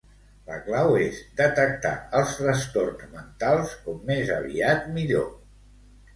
La clau és detectar els trastorn mentals com més aviat millor.